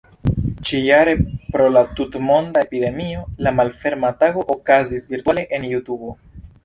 Ĉi-jare pro la tut-monda epidemio, la Malferma Tago okazis virtuale en Jutubo.